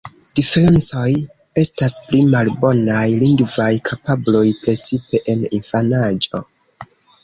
Diferencoj estas pli malbonaj lingvaj kapabloj, precipe en infanaĝo.